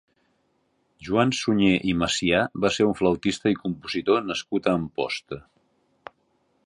Joan Suñé i Masià va ser un flautista i compositor nascut a Amposta.